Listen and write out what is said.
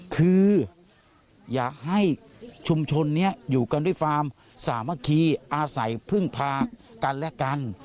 คืออยากให้ชุมชนนี้อยู่กันด้วยความสามัคคีอาศัยพึ่งพากันและกัน